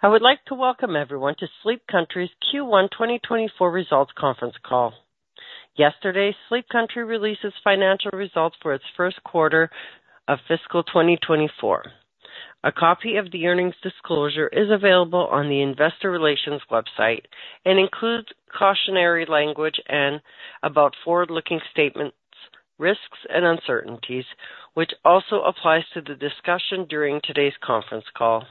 I would like to welcome everyone to Sleep Country's Q1 2024 Results Conference Call. Yesterday, Sleep Country released its financial results for its first quarter of fiscal 2024. A copy of the earnings disclosure is available on the investor relations website and includes cautionary language and about forward-looking statements, risks, and uncertainties, which also applies to the discussion during today's conference call.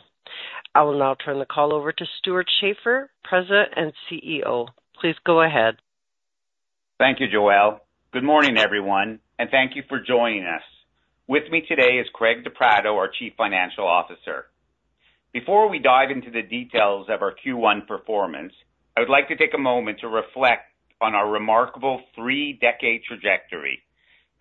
I will now turn the call over to Stewart Schaefer, President and CEO. Please go ahead. Thank you, Joelle. Good morning, everyone, and thank you for joining us. With me today is Craig De Pratto, our Chief Financial Officer. Before we dive into the details of our Q1 performance, I would like to take a moment to reflect on our remarkable three-decade trajectory.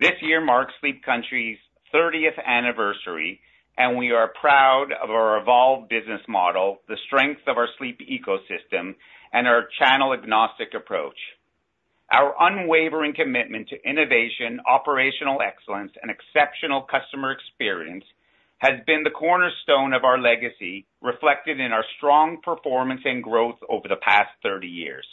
This year marks Sleep Country's 30th anniversary, and we are proud of our evolved business model, the strength of our sleep ecosystem, and our channel-agnostic approach. Our unwavering commitment to innovation, operational excellence, and exceptional customer experience has been the cornerstone of our legacy, reflected in our strong performance and growth over the past 30 years.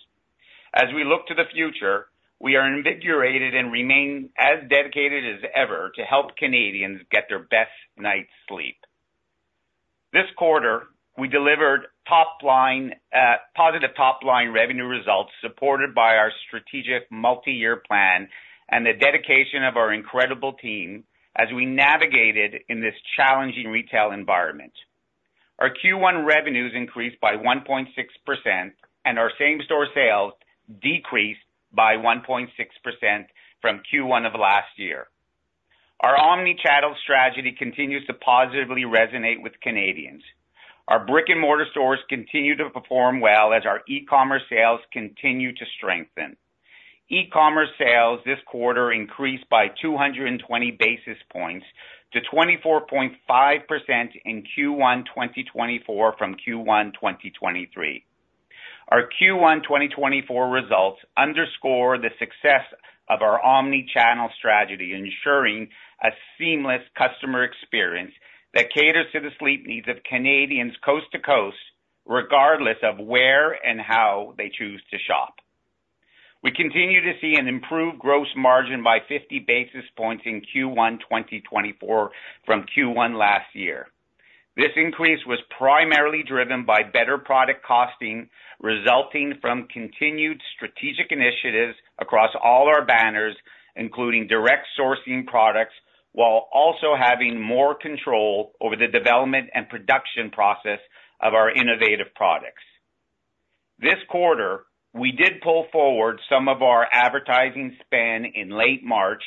As we look to the future, we are invigorated and remain as dedicated as ever to help Canadians get their best night's sleep. This quarter, we delivered positive top-line revenue results supported by our strategic multi-year plan and the dedication of our incredible team as we navigated in this challenging retail environment. Our Q1 revenues increased by 1.6%, and our same-store sales decreased by 1.6% from Q1 of last year. Our omnichannel strategy continues to positively resonate with Canadians. Our brick-and-mortar stores continue to perform well as our e-commerce sales continue to strengthen. E-commerce sales this quarter increased by 220 basis points to 24.5% in Q1 2024 from Q1 2023. Our Q1 2024 results underscore the success of our omnichannel strategy, ensuring a seamless customer experience that caters to the sleep needs of Canadians coast to coast, regardless of where and how they choose to shop. We continue to see an improved gross margin by 50 basis points in Q1 2024 from Q1 last year. This increase was primarily driven by better product costing, resulting from continued strategic initiatives across all our banners, including direct sourcing products, while also having more control over the development and production process of our innovative products. This quarter, we did pull forward some of our advertising spend in late March.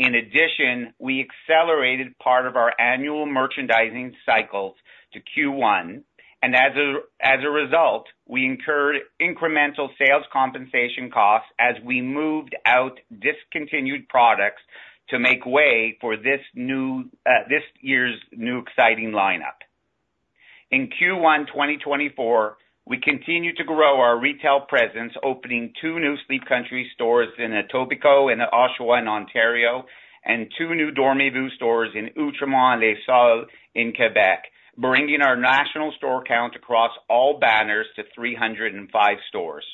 In addition, we accelerated part of our annual merchandising cycles to Q1, and as a result, we incurred incremental sales compensation costs as we moved out discontinued products to make way for this year's new exciting lineup. In Q1 2024, we continue to grow our retail presence, opening two new Sleep Country stores in Etobicoke and Oshawa, in Ontario, and two new Dormez-vous stores in Mascouche and Saint-Sauveur, in Quebec, bringing our national store count across all banners to 305 stores.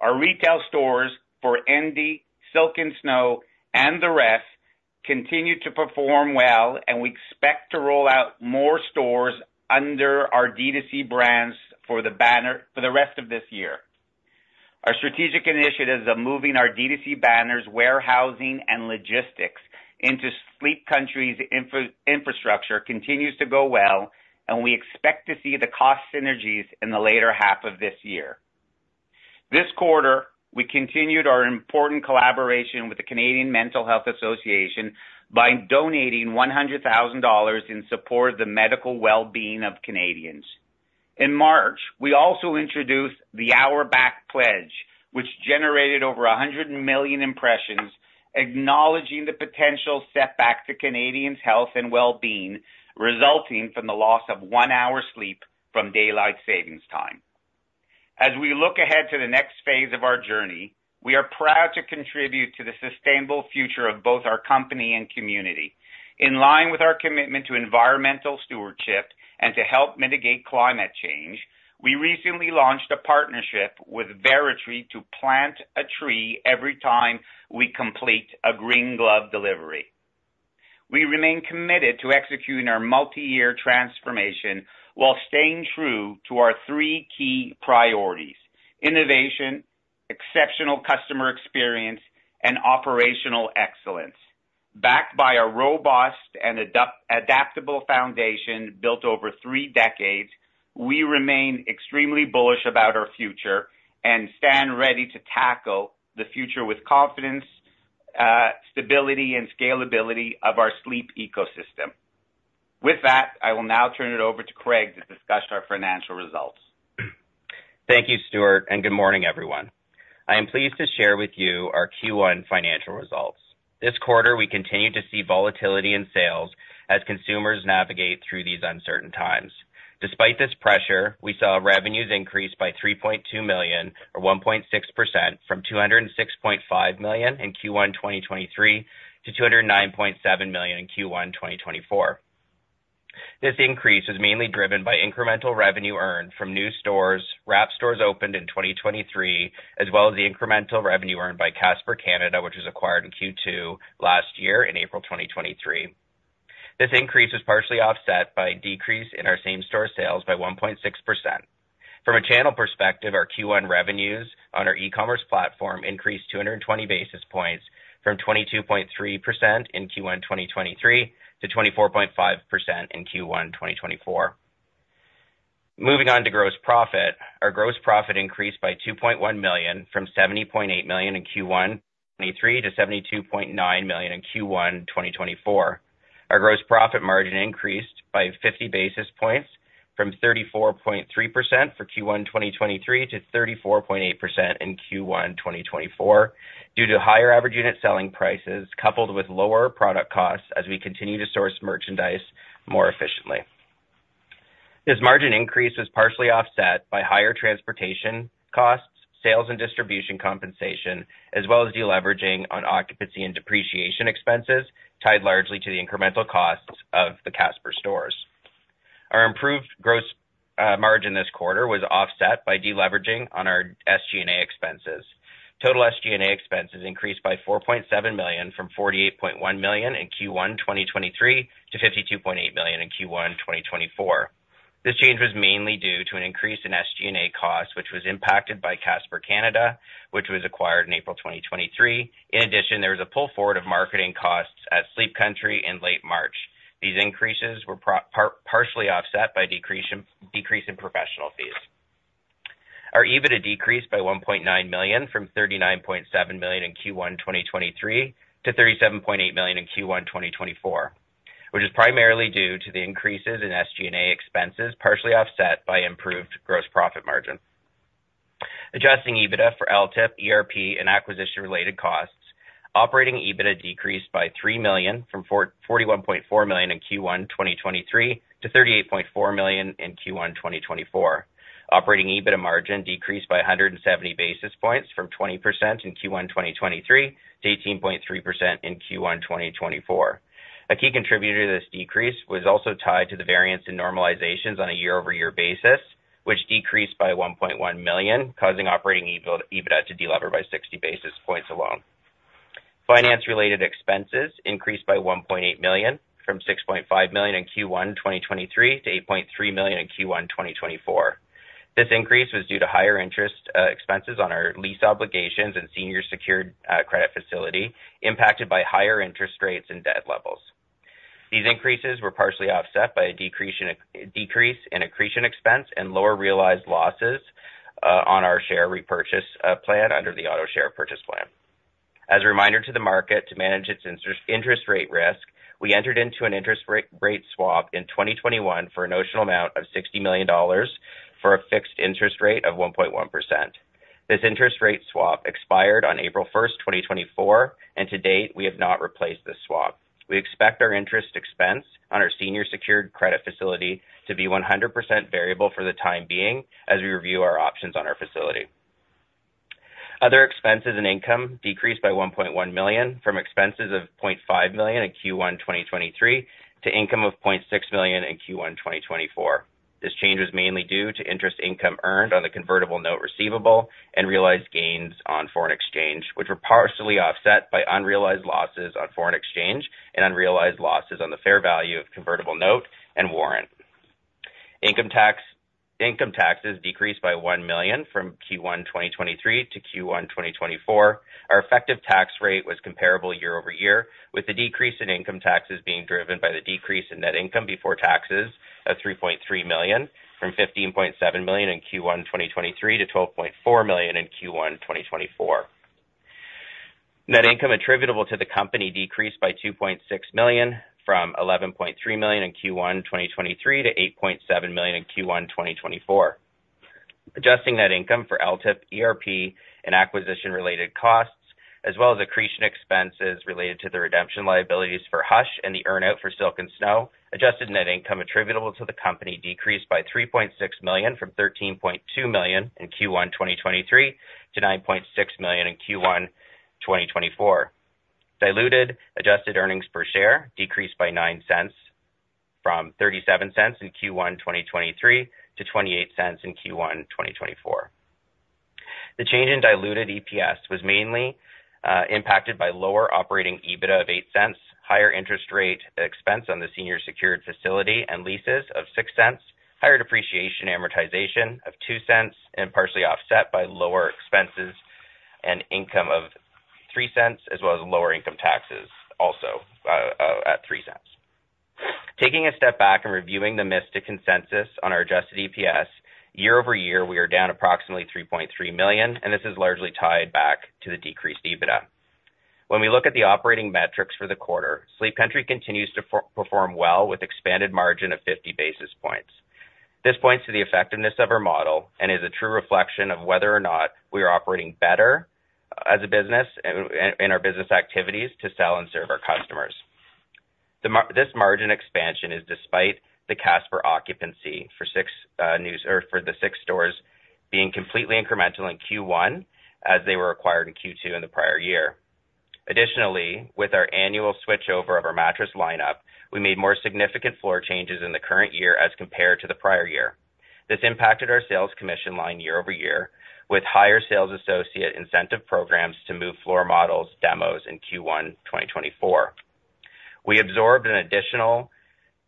Our retail stores for Endy, Silk & Snow, and the rest continue to perform well, and we expect to roll out more stores under our DTC brands for the rest of this year. Our strategic initiatives of moving our DTC banners, warehousing, and logistics into Sleep Country's infrastructure continue to go well, and we expect to see the cost synergies in the later half of this year. This quarter, we continued our important collaboration with the Canadian Mental Health Association by donating 100,000 dollars in support of the medical well-being of Canadians. In March, we also introduced the Hour Back Pledge, which generated over 100 million impressions, acknowledging the potential setback to Canadians' health and well-being resulting from the loss of one hour's sleep from daylight savings time. As we look ahead to the next phase of our journey, we are proud to contribute to the sustainable future of both our company and community. In line with our commitment to environmental stewardship and to help mitigate climate change, we recently launched a partnership with Veritree to plant a tree every time we complete a Green Glove Delivery. We remain committed to executing our multi-year transformation while staying true to our three key priorities: innovation, exceptional customer experience, and operational excellence. Backed by a robust and adaptable foundation built over three decades, we remain extremely bullish about our future and stand ready to tackle the future with confidence, stability, and scalability of our Sleep Ecosystem. With that, I will now turn it over to Craig to discuss our financial results. Thank you, Stewart, and good morning, everyone. I am pleased to share with you our Q1 financial results. This quarter, we continue to see volatility in sales as consumers navigate through these uncertain times. Despite this pressure, we saw revenues increase by 3.2 million, or 1.6%, from 206.5 million in Q1 2023 to 209.7 million in Q1 2024. This increase was mainly driven by incremental revenue earned from new stores, wrap stores opened in 2023, as well as the incremental revenue earned by Casper Canada, which was acquired in Q2 last year in April 2023. This increase was partially offset by a decrease in our same-store sales by 1.6%. From a channel perspective, our Q1 revenues on our e-commerce platform increased 220 basis points from 22.3% in Q1 2023 to 24.5% in Q1 2024. Moving on to gross profit, our gross profit increased by 2.1 million from 70.8 million in Q1 2023 to 72.9 million in Q1 2024. Our gross profit margin increased by 50 basis points from 34.3% for Q1 2023 to 34.8% in Q1 2024 due to higher average unit selling prices coupled with lower product costs as we continue to source merchandise more efficiently. This margin increase was partially offset by higher transportation costs, sales and distribution compensation, as well as deleveraging on occupancy and depreciation expenses tied largely to the incremental costs of the Casper stores. Our improved gross margin this quarter was offset by deleveraging on our SG&A expenses. Total SG&A expenses increased by 4.7 million from 48.1 million in Q1 2023 to 52.8 million in Q1 2024. This change was mainly due to an increase in SG&A costs, which was impacted by Casper Canada, which was acquired in April 2023. In addition, there was a pull forward of marketing costs at Sleep Country in late March. These increases were partially offset by a decrease in professional fees. Our EBITDA decreased by 1.9 million from 39.7 million in Q1 2023 to 37.8 million in Q1 2024, which is primarily due to the increases in SG&A expenses partially offset by improved gross profit margin. Adjusting EBITDA for LTIP, ERP, and acquisition-related costs, operating EBITDA decreased by 3 million from 41.4 million in Q1 2023 to 38.4 million in Q1 2024. Operating EBITDA margin decreased by 170 basis points from 20% in Q1 2023 to 18.3% in Q1 2024. A key contributor to this decrease was also tied to the variance in normalizations on a year-over-year basis, which decreased by 1.1 million, causing operating EBITDA to delever by 60 basis points alone. Finance-related expenses increased by 1.8 million from 6.5 million in Q1 2023 to 8.3 million in Q1 2024. This increase was due to higher interest expenses on our lease obligations and senior secured credit facility, impacted by higher interest rates and debt levels. These increases were partially offset by a decrease in accretion expense and lower realized losses on our share repurchase plan under the auto share purchase plan. As a reminder to the market to manage its interest rate risk, we entered into an interest rate swap in 2021 for a notional amount of 60 million dollars for a fixed interest rate of 1.1%. This interest rate swap expired on April 1, 2024, and to date, we have not replaced this swap. We expect our interest expense on our senior secured credit facility to be 100% variable for the time being as we review our options on our facility. Other expenses and income decreased by 1.1 million from expenses of 0.5 million in Q1 2023 to income of 0.6 million in Q1 2024. This change was mainly due to interest income earned on the convertible note receivable and realized gains on foreign exchange, which were partially offset by unrealized losses on foreign exchange and unrealized losses on the fair value of convertible note and warrant. Income taxes decreased by 1 million from Q1 2023 to Q1 2024. Our effective tax rate was comparable year-over-year, with the decrease in income taxes being driven by the decrease in net income before taxes of 3.3 million from 15.7 million in Q1 2023 to 12.4 million in Q1 2024. Net income attributable to the company decreased by 2.6 million from 11.3 million in Q1 2023 to 8.7 million in Q1 2024. Adjusting net income for LTIP, ERP, and acquisition-related costs, as well as accretion expenses related to the redemption liabilities for Hush and the earnout for Silk & Snow, adjusted net income attributable to the company decreased by 3.6 million from 13.2 million in Q1 2023 to 9.6 million in Q1 2024. Diluted adjusted earnings per share decreased by 0.09 from 0.37 in Q1 2023 to 0.28 in Q1 2024. The change in diluted EPS was mainly impacted by lower operating EBITDA of 0.08, higher interest rate expense on the senior secured facility, and leases of 0.06, higher depreciation amortization of 0.02, and partially offset by lower expenses and income of 0.03, as well as lower income taxes also at 0.03. Taking a step back and reviewing the missed consensus on our adjusted EPS, year-over-year, we are down approximately 3.3 million, and this is largely tied back to the decreased EBITDA. When we look at the operating metrics for the quarter, Sleep Country continues to perform well with an expanded margin of 50 basis points. This points to the effectiveness of our model and is a true reflection of whether or not we are operating better as a business in our business activities to sell and serve our customers. This margin expansion is despite the Casper occupancy for the six stores being completely incremental in Q1 as they were acquired in Q2 in the prior year. Additionally, with our annual switchover of our mattress lineup, we made more significant floor changes in the current year as compared to the prior year. This impacted our sales commission line year-over-year, with higher sales associate incentive programs to move floor models, demos, in Q1 2024. We absorbed an additional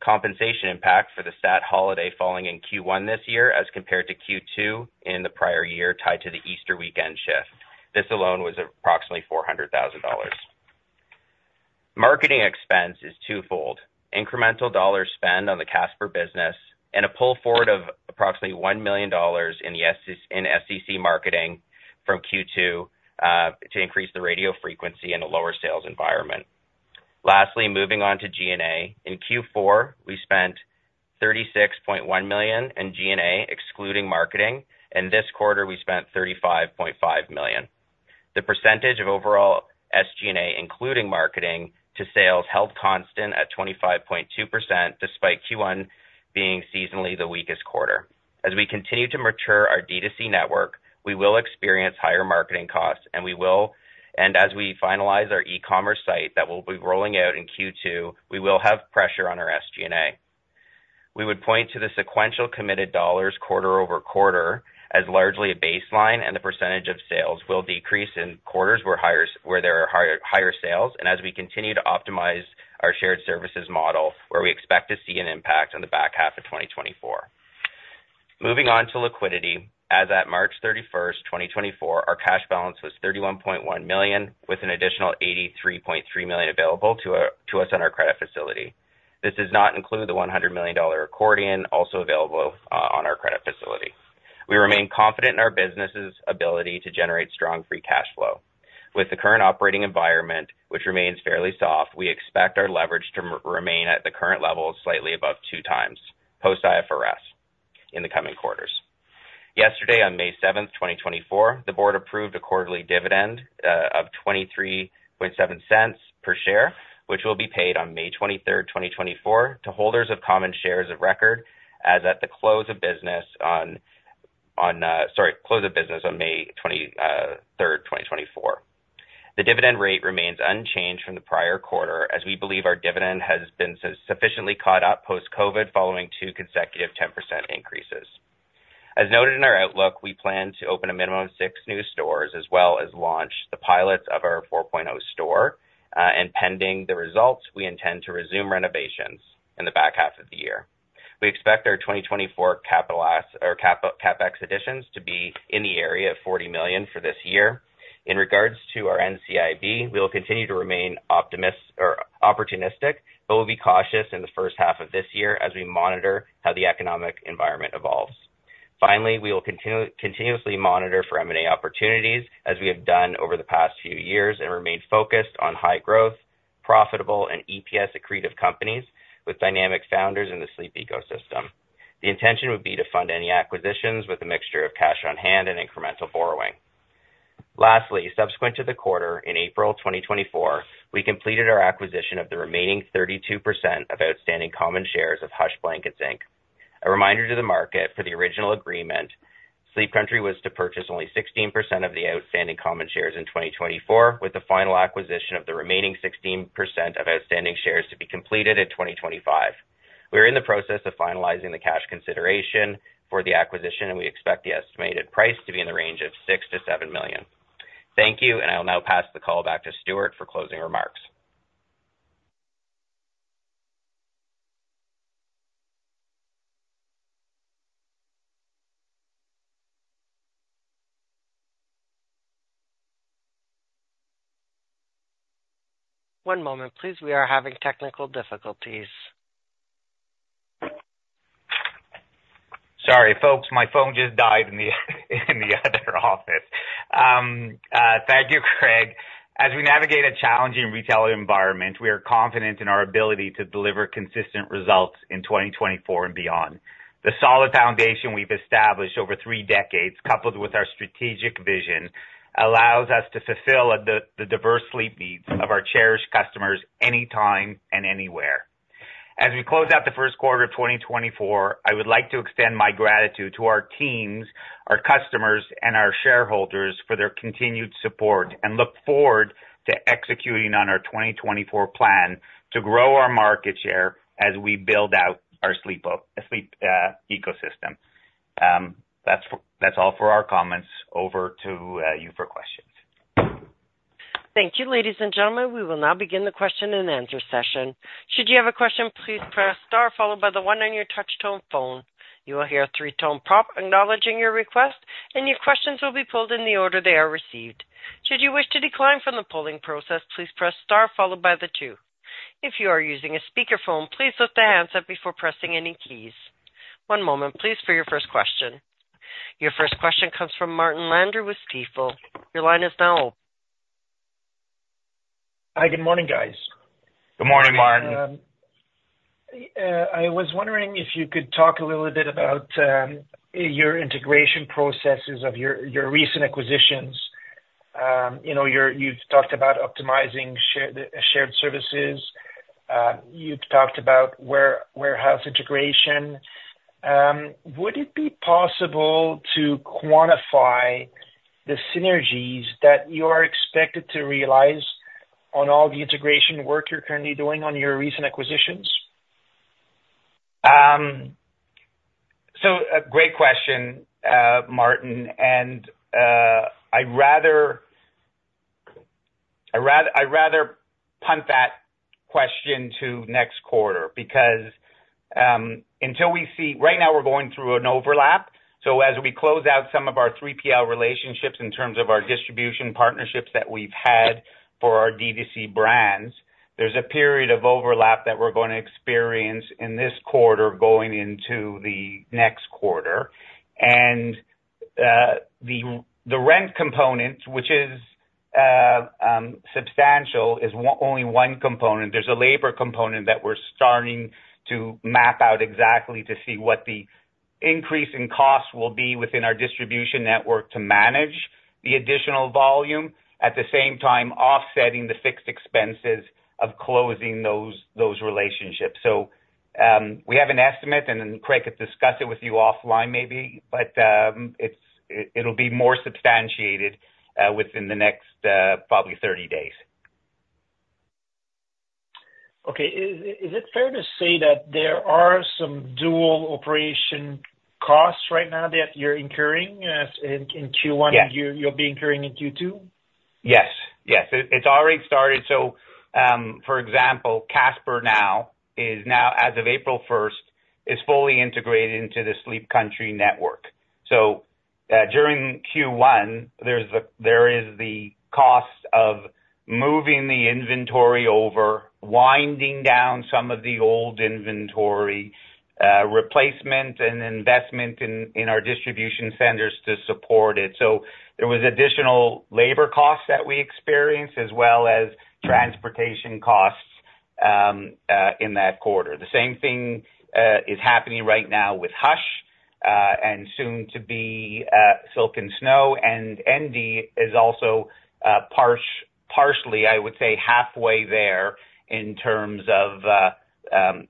compensation impact for the statutory holiday falling in Q1 this year as compared to Q2 in the prior year tied to the Easter weekend shift. This alone was approximately 400,000 dollars. Marketing expense is twofold: incremental dollar spend on the Casper business and a pull forward of approximately 1 million dollars in SCC marketing from Q2 to increase the radio frequency in a lower sales environment. Lastly, moving on to G&A, in Q4, we spent 36.1 million in G&A excluding marketing, and this quarter, we spent 35.5 million. The percentage of overall SG&A including marketing to sales held constant at 25.2% despite Q1 being seasonally the weakest quarter. As we continue to mature our DTC network, we will experience higher marketing costs, and as we finalize our e-commerce site that will be rolling out in Q2, we will have pressure on our SG&A. We would point to the sequential committed dollars quarter-over-quarter as largely a baseline, and the percentage of sales will decrease in quarters where there are higher sales, and as we continue to optimize our shared services model where we expect to see an impact in the back half of 2024. Moving on to liquidity, as at March 31, 2024, our cash balance was 31.1 million, with an additional 83.3 million available to us on our credit facility. This does not include the 100 million dollar accordion also available on our credit facility. We remain confident in our business's ability to generate strong free cash flow. With the current operating environment, which remains fairly soft, we expect our leverage to remain at the current levels slightly above two times post-IFRS in the coming quarters. Yesterday, on May 7, 2024, the board approved a quarterly dividend of 0.237 per share, which will be paid on May 23, 2024, to holders of common shares of record as at the close of business on sorry, close of business on May 23, 2024. The dividend rate remains unchanged from the prior quarter as we believe our dividend has been sufficiently caught up post-COVID following two consecutive 10% increases. As noted in our outlook, we plan to open a minimum of six new stores as well as launch the pilots of our 4.0 store, and pending the results, we intend to resume renovations in the back half of the year. We expect our 2024 CapEx additions to be in the area of 40 million for this year. In regards to our NCIB, we will continue to remain opportunistic but will be cautious in the first half of this year as we monitor how the economic environment evolves. Finally, we will continuously monitor for M&A opportunities as we have done over the past few years and remain focused on high-growth, profitable, and EPS-accretive companies with dynamic founders in the sleep ecosystem. The intention would be to fund any acquisitions with a mixture of cash on hand and incremental borrowing. Lastly, subsequent to the quarter, in April 2024, we completed our acquisition of the remaining 32% of outstanding common shares of Hush Blankets, Inc. A reminder to the market, for the original agreement, Sleep Country was to purchase only 16% of the outstanding common shares in 2024, with the final acquisition of the remaining 16% of outstanding shares to be completed in 2025. We are in the process of finalizing the cash consideration for the acquisition, and we expect the estimated price to be in the range of 6 million-7 million. Thank you, and I'll now pass the call back to Stewart for closing remarks. One moment, please. We are having technical difficulties. Sorry, folks. My phone just died in the other office. Thank you, Craig. As we navigate a challenging retail environment, we are confident in our ability to deliver consistent results in 2024 and beyond. The solid foundation we've established over three decades, coupled with our strategic vision, allows us to fulfill the diverse sleep needs of our cherished customers anytime and anywhere. As we close out the first quarter of 2024, I would like to extend my gratitude to our teams, our customers, and our shareholders for their continued support, and look forward to executing on our 2024 plan to grow our market share as we build out our sleep ecosystem. That's all for our comments. Over to you for questions. Thank you, ladies and gentlemen. We will now begin the question and answer session. Should you have a question, please press star followed by the one on your touchtone phone. You will hear a three-tone prompt acknowledging your request, and your questions will be pulled in the order they are received. Should you wish to decline from the polling process, please press star followed by the two. If you are using a speakerphone, please lift the handset up before pressing any keys. One moment, please, for your first question. Your first question comes from Martin Landry with Stifel. Your line is now open. Hi. Good morning, guys. Good morning, Martin. I was wondering if you could talk a little bit about your integration processes of your recent acquisitions. You've talked about optimizing shared services. You've talked about warehouse integration. Would it be possible to quantify the synergies that you are expected to realize on all the integration work you're currently doing on your recent acquisitions? So great question, Martin. I'd rather punt that question to next quarter because until we see right now, we're going through an overlap. So as we close out some of our 3PL relationships in terms of our distribution partnerships that we've had for our DTC brands, there's a period of overlap that we're going to experience in this quarter going into the next quarter. And the rent component, which is substantial, is only one component. There's a labor component that we're starting to map out exactly to see what the increase in costs will be within our distribution network to manage the additional volume, at the same time offsetting the fixed expenses of closing those relationships. So we have an estimate, and then Craig could discuss it with you offline maybe, but it'll be more substantiated within the next probably 30 days. Okay. Is it fair to say that there are some dual operation costs right now that you're incurring in Q1, and you'll be incurring in Q2? Yes. Yes. It's already started. So for example, Casper now, as of April 1st, is fully integrated into the Sleep Country network. So during Q1, there is the cost of moving the inventory over, winding down some of the old inventory, replacement and investment in our distribution centers to support it. So there was additional labor costs that we experienced as well as transportation costs in that quarter. The same thing is happening right now with Hush and soon to be Silk & Snow. And Endy is also partially, I would say, halfway there in terms of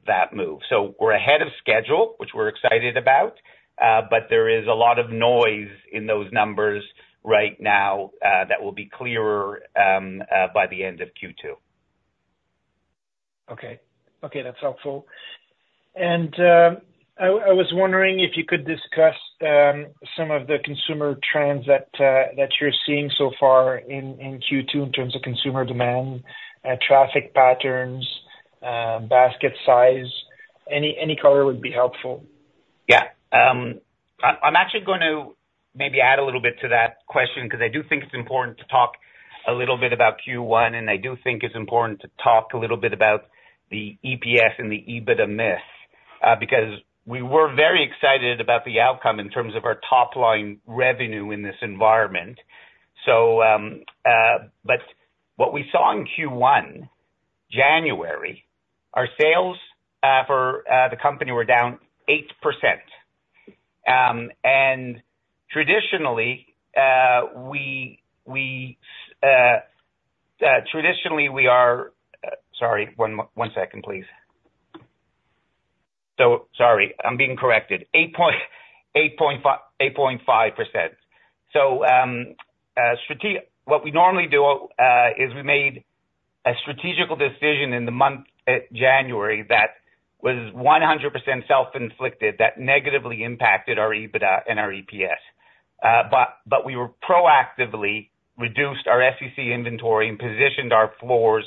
that move. So we're ahead of schedule, which we're excited about, but there is a lot of noise in those numbers right now that will be clearer by the end of Q2. Okay. Okay. That's helpful. I was wondering if you could discuss some of the consumer trends that you're seeing so far in Q2 in terms of consumer demand, traffic patterns, basket size. Any color would be helpful. Yeah. I'm actually going to maybe add a little bit to that question because I do think it's important to talk a little bit about Q1, and I do think it's important to talk a little bit about the EPS and the EBITDA miss because we were very excited about the outcome in terms of our top-line revenue in this environment. But what we saw in Q1, January, our sales for the company were down 8%. And traditionally, we are sorry. One second, please. Sorry. I'm being corrected. 8.5%. So what we normally do is we made a strategical decision in the month of January that was 100% self-inflicted, that negatively impacted our EBITDA and our EPS. But we proactively reduced our SCC inventory and positioned our floors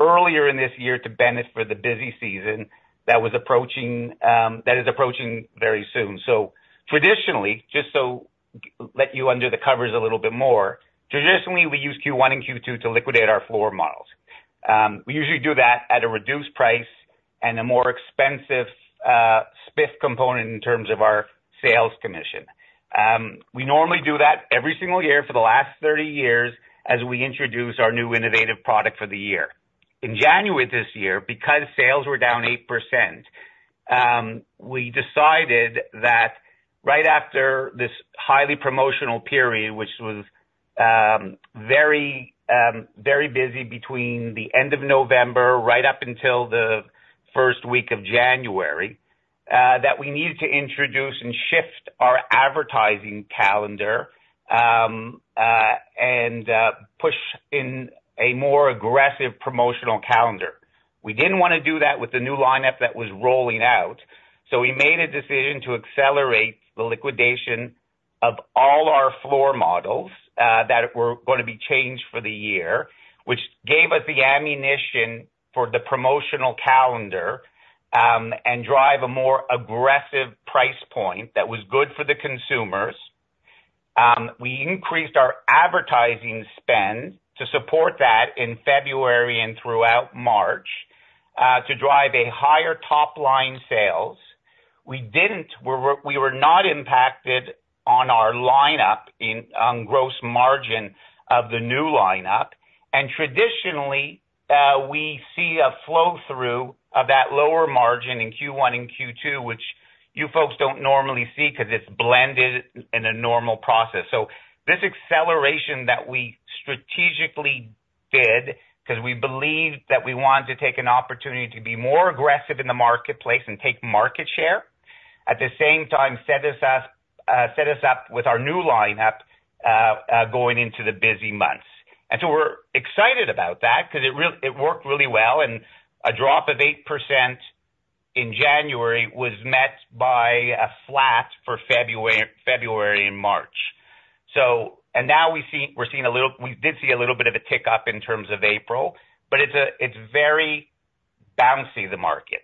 earlier in this year to benefit the busy season that is approaching very soon. So traditionally, just to let you under the covers a little bit more, traditionally, we use Q1 and Q2 to liquidate our floor models. We usually do that at a reduced price and a more expensive SPIF component in terms of our sales commission. We normally do that every single year for the last 30 years as we introduce our new innovative product for the year. In January this year, because sales were down 8%, we decided that right after this highly promotional period, which was very, very busy between the end of November right up until the first week of January, that we needed to introduce and shift our advertising calendar and push in a more aggressive promotional calendar. We didn't want to do that with the new lineup that was rolling out. So we made a decision to accelerate the liquidation of all our floor models that were going to be changed for the year, which gave us the ammunition for the promotional calendar and drive a more aggressive price point that was good for the consumers. We increased our advertising spend to support that in February and throughout March to drive a higher top-line sales. We were not impacted on our lineup on gross margin of the new lineup. And traditionally, we see a flow-through of that lower margin in Q1 and Q2, which you folks don't normally see because it's blended in a normal process. So this acceleration that we strategically did because we believed that we wanted to take an opportunity to be more aggressive in the marketplace and take market share, at the same time, set us up with our new lineup going into the busy months. And so we're excited about that because it worked really well, and a drop of 8% in January was met by a flat for February and March. And now we're seeing. We did see a little bit of a tick-up in terms of April, but it's very bouncy, the market.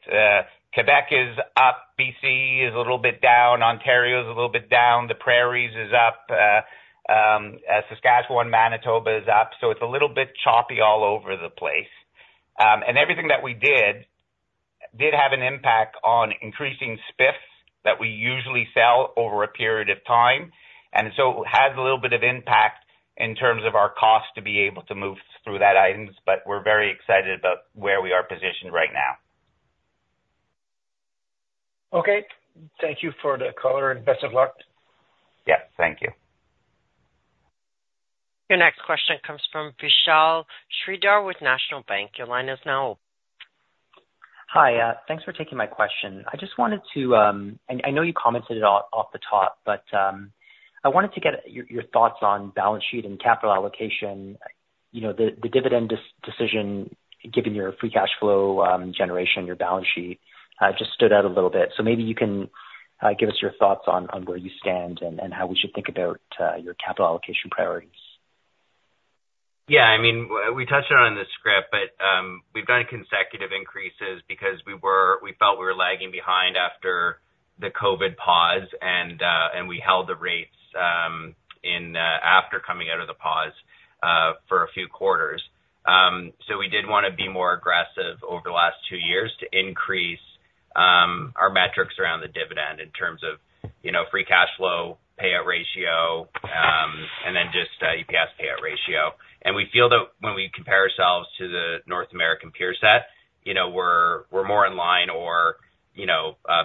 Quebec is up. BC is a little bit down. Ontario is a little bit down. The Prairies is up. Saskatchewan, Manitoba is up. So it's a little bit choppy all over the place. And everything that we did have an impact on increasing SPIFs that we usually sell over a period of time. And so it has a little bit of impact in terms of our cost to be able to move through that items, but we're very excited about where we are positioned right now. Okay. Thank you for the color, and best of luck. Yeah. Thank you. Your next question comes from Vishal Shreedhar with National Bank. Your line is now open. Hi. Thanks for taking my question. I just wanted to, and I know you commented it off the top, but I wanted to get your thoughts on balance sheet and capital allocation. The dividend decision, given your free cash flow generation, your balance sheet, just stood out a little bit. So maybe you can give us your thoughts on where you stand and how we should think about your capital allocation priorities. Yeah. I mean, we touched on it in the script, but we've done consecutive increases because we felt we were lagging behind after the COVID pause, and we held the rates after coming out of the pause for a few quarters. So we did want to be more aggressive over the last two years to increase our metrics around the dividend in terms of free cash flow, payout ratio, and then just EPS payout ratio. And we feel that when we compare ourselves to the North American Peer Set, we're more in line or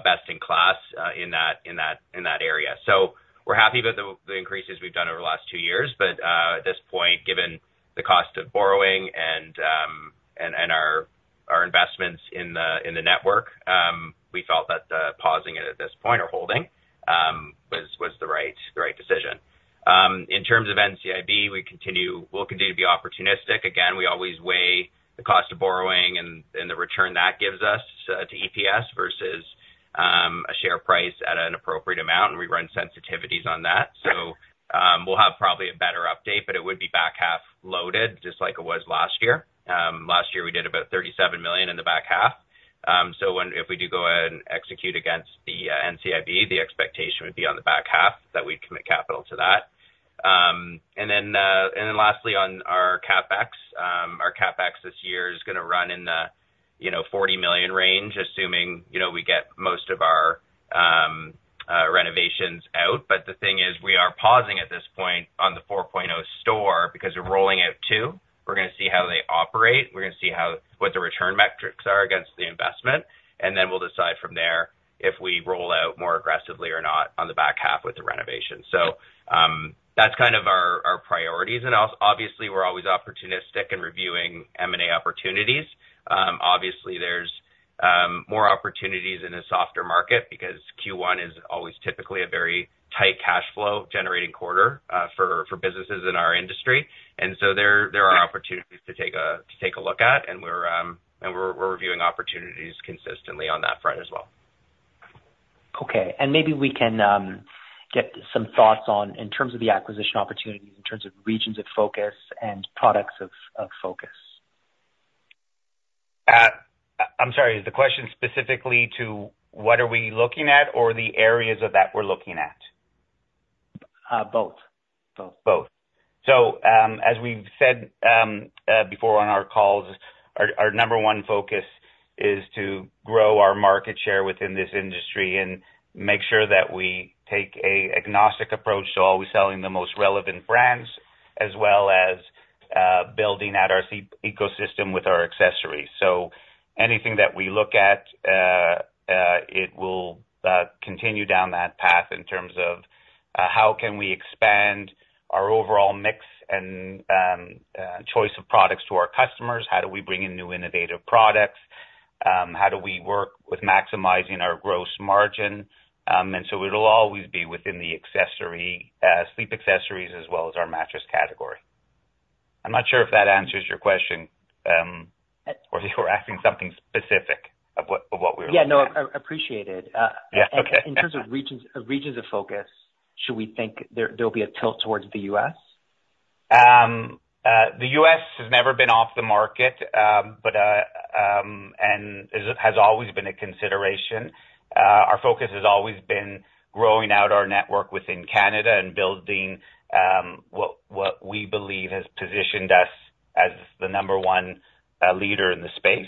best in class in that area. So we're happy about the increases we've done over the last two years. But at this point, given the cost of borrowing and our investments in the network, we felt that pausing it at this point or holding was the right decision. In terms of NCIB, we'll continue to be opportunistic. Again, we always weigh the cost of borrowing and the return that gives us to EPS versus a share price at an appropriate amount, and we run sensitivities on that. We'll have probably a better update, but it would be back half loaded just like it was last year. Last year, we did about 37 million in the back half. If we do go and execute against the NCIB, the expectation would be on the back half that we'd commit capital to that. Then lastly, on our CapEx, our CapEx this year is going to run in the 40 million range, assuming we get most of our renovations out. The thing is, we are pausing at this point on the Store 4.0 because we're rolling out two. We're going to see how they operate. We're going to see what the return metrics are against the investment. And then we'll decide from there if we roll out more aggressively or not on the back half with the renovation. So that's kind of our priorities. And obviously, we're always opportunistic and reviewing M&A opportunities. Obviously, there's more opportunities in a softer market because Q1 is always typically a very tight cash flow-generating quarter for businesses in our industry. And so there are opportunities to take a look at, and we're reviewing opportunities consistently on that front as well. Okay. Maybe we can get some thoughts in terms of the acquisition opportunities, in terms of regions of focus and products of focus. I'm sorry. Is the question specifically to what are we looking at or the areas of that we're looking at? Both. Both. Both. So as we've said before on our calls, our number one focus is to grow our market share within this industry and make sure that we take an agnostic approach to always selling the most relevant brands as well as building out our ecosystem with our accessories. So anything that we look at, it will continue down that path in terms of how can we expand our overall mix and choice of products to our customers? How do we bring in new innovative products? How do we work with maximizing our gross margin? And so it'll always be within the sleep accessories as well as our mattress category. I'm not sure if that answers your question or you were asking something specific of what we were looking at. Yeah. No. I appreciate it. In terms of regions of focus, should we think there'll be a tilt towards the U.S.? The U.S. has never been off the market and has always been a consideration. Our focus has always been growing out our network within Canada and building what we believe has positioned us as the number one leader in the space.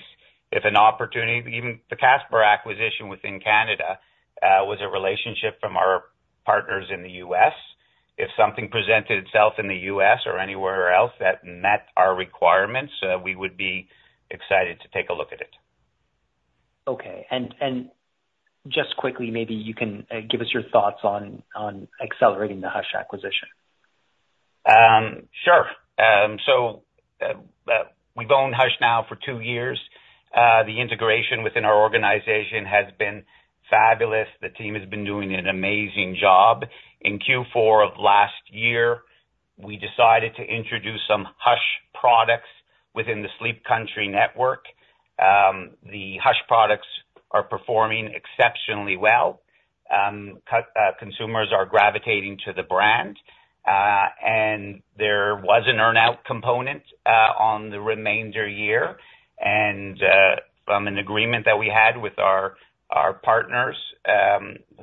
If an opportunity, even the Casper acquisition within Canada, was a relationship from our partners in the U.S., if something presented itself in the U.S. or anywhere else that met our requirements, we would be excited to take a look at it. Okay. Just quickly, maybe you can give us your thoughts on accelerating the Hush acquisition. Sure. So we've owned Hush now for two years. The integration within our organization has been fabulous. The team has been doing an amazing job. In Q4 of last year, we decided to introduce some Hush products within the Sleep Country network. The Hush products are performing exceptionally well. Consumers are gravitating to the brand, and there was an earnout component on the remainder year. And from an agreement that we had with our partners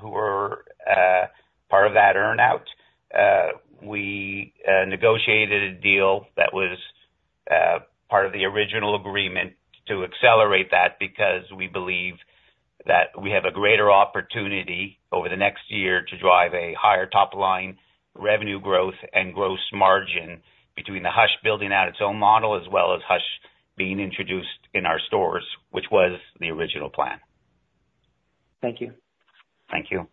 who were part of that earnout, we negotiated a deal that was part of the original agreement to accelerate that because we believe that we have a greater opportunity over the next year to drive a higher top-line revenue growth and gross margin between the Hush building out its own model as well as Hush being introduced in our stores, which was the original plan. Thank you. Thank you.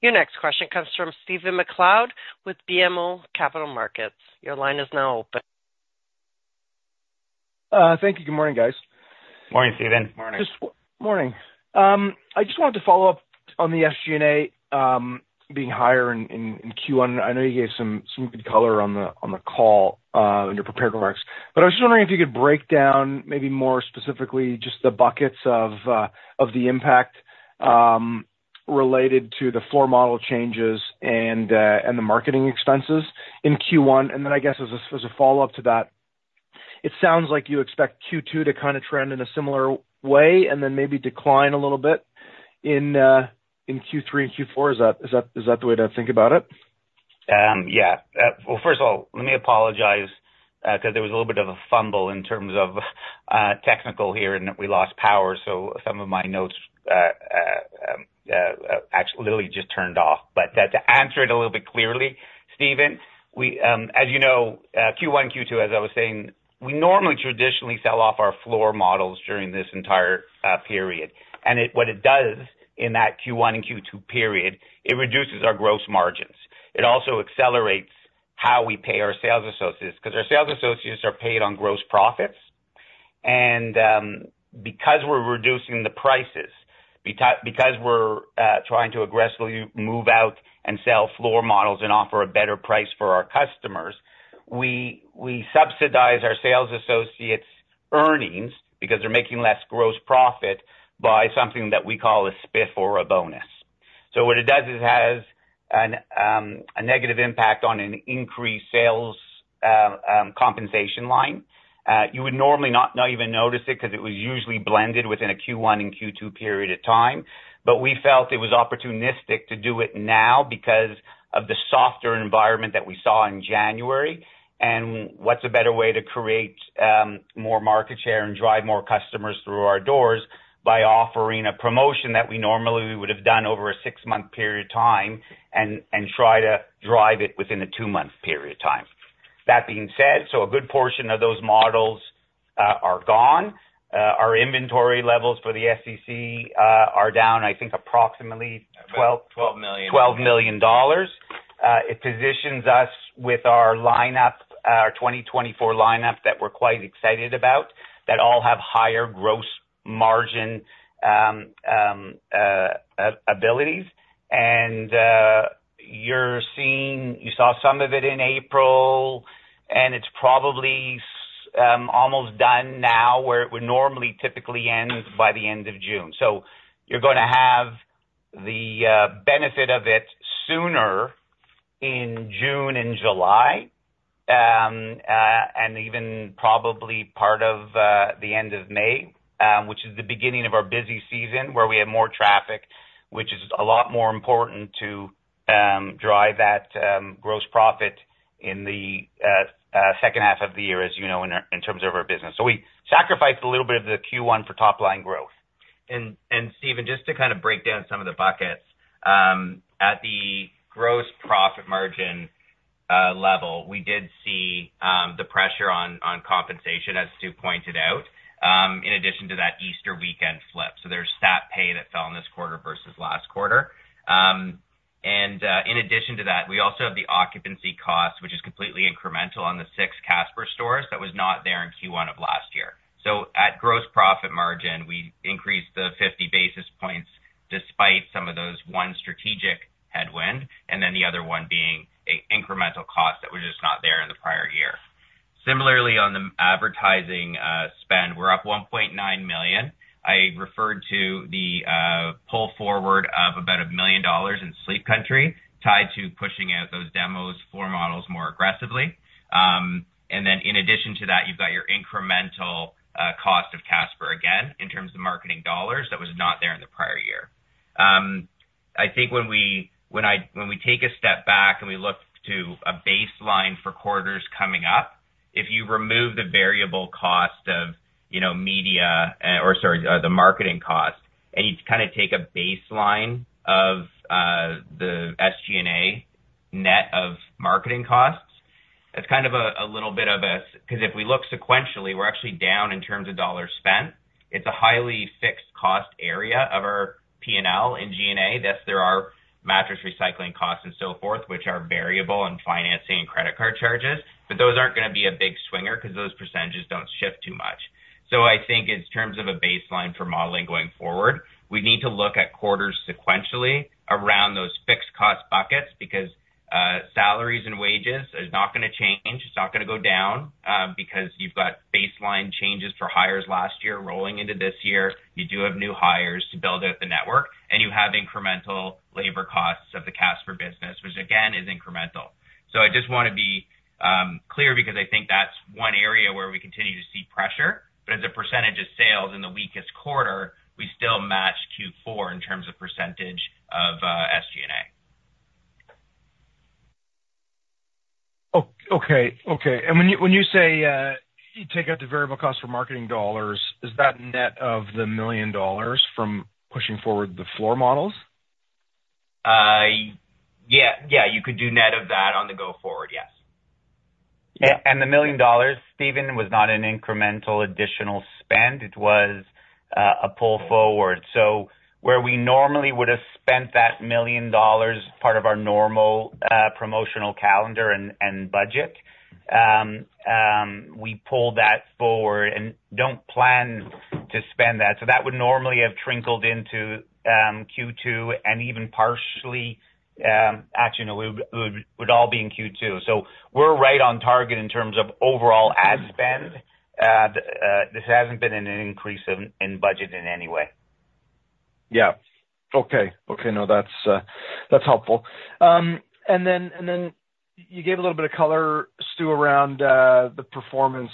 Your next question comes from Stephen MacLeod with BMO Capital Markets. Your line is now open. Thank you. Good morning, guys. Morning, Stephen. Morning. Morning. I just wanted to follow up on the SG&A being higher in Q1. I know you gave some good color on the call and your prepared remarks, but I was just wondering if you could break down maybe more specifically just the buckets of the impact related to the floor model changes and the marketing expenses in Q1. And then I guess as a follow-up to that, it sounds like you expect Q2 to kind of trend in a similar way and then maybe decline a little bit in Q3 and Q4. Is that the way to think about it? Yeah. Well, first of all, let me apologize because there was a little bit of a fumble in terms of technical here, and we lost power, so some of my notes literally just turned off. But to answer it a little bit clearly, Stephen, as you know, Q1, Q2, as I was saying, we normally traditionally sell off our floor models during this entire period. And what it does in that Q1 and Q2 period, it reduces our gross margins. It also accelerates how we pay our sales associates because our sales associates are paid on gross profits. And because we're reducing the prices, because we're trying to aggressively move out and sell floor models and offer a better price for our customers, we subsidize our sales associates' earnings because they're making less gross profit by something that we call a SPIF or a bonus. So what it does is it has a negative impact on an increased sales compensation line. You would normally not even notice it because it was usually blended within a Q1 and Q2 period of time. But we felt it was opportunistic to do it now because of the softer environment that we saw in January. And what's a better way to create more market share and drive more customers through our doors by offering a promotion that we normally would have done over a six-month period of time and try to drive it within a two-month period of time? That being said, so a good portion of those models are gone. Our inventory levels for the SEC are down, I think, approximately 12 million. It positions us with our 2024 lineup that we're quite excited about that all have higher gross margin abilities. You saw some of it in April, and it's probably almost done now where it would normally typically end by the end of June. So you're going to have the benefit of it sooner in June and July and even probably part of the end of May, which is the beginning of our busy season where we have more traffic, which is a lot more important to drive that gross profit in the second half of the year, as you know, in terms of our business. So we sacrificed a little bit of the Q1 for top-line growth. Stephen, just to kind of break down some of the buckets, at the gross profit margin level, we did see the pressure on compensation, as Stu pointed out, in addition to that Easter weekend flip. So there's stat pay that fell in this quarter versus last quarter. And in addition to that, we also have the occupancy cost, which is completely incremental on the 6 Casper stores that was not there in Q1 of last year. So at gross profit margin, we increased the 50 basis points despite some of those one strategic headwind and then the other one being an incremental cost that was just not there in the prior year. Similarly, on the advertising spend, we're up 1.9 million. I referred to the pull forward of about 1 million dollars in Sleep Country tied to pushing out those demos floor models more aggressively. And then in addition to that, you've got your incremental cost of Casper again in terms of marketing dollars that was not there in the prior year. I think when we take a step back and we look to a baseline for quarters coming up, if you remove the variable cost of media or, sorry, the marketing cost, and you kind of take a baseline of the SG&A net of marketing costs, that's kind of a little bit of a because if we look sequentially, we're actually down in terms of dollars spent. It's a highly fixed cost area of our P&L in G&A. Yes, there are mattress recycling costs and so forth, which are variable and financing and credit card charges, but those aren't going to be a big swinger because those percentages don't shift too much. So I think in terms of a baseline for modeling going forward, we need to look at quarters sequentially around those fixed cost buckets because salaries and wages are not going to change. It's not going to go down because you've got baseline changes for hires last year rolling into this year. You do have new hires to build out the network, and you have incremental labor costs of the Casper business, which again is incremental. So I just want to be clear because I think that's one area where we continue to see pressure. But as a percentage of sales in the weakest quarter, we still match Q4 in terms of percentage of SG&A. Okay. Okay. When you say you take out the variable cost for marketing dollars, is that net of 1 million dollars from pushing forward the floor models? Yeah. Yeah. You could do net of that on the go forward. Yes. And the 1 million dollars, Stephen, was not an incremental additional spend. It was a pull forward. So where we normally would have spent that 1 million dollars, part of our normal promotional calendar and budget, we pulled that forward and don't plan to spend that. So that would normally have trickled into Q2 and even partially actually, no, it would all be in Q2. So we're right on target in terms of overall ad spend. This hasn't been an increase in budget in any way. Yeah. Okay. Okay. No, that's helpful. And then you gave a little bit of color, Stu, around the performance